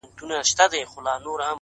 ژوند د هیلو او واقعیت ترمنځ توازن غواړي.